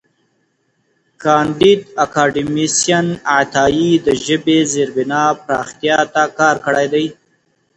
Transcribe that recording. کانديد اکاډميسن عطايي د ژبې د زېربنا پراختیا ته کار کړی دی.